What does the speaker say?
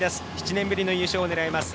７年ぶりの優勝を狙います。